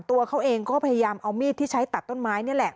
ตัวเขาเองก็พยายามเอามีดที่ใช้ตัดต้นไม้นี่แหละ